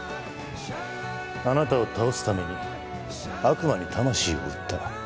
あなたを倒すために悪魔に魂を売った。